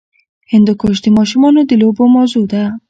هندوکش د ماشومانو د لوبو موضوع ده.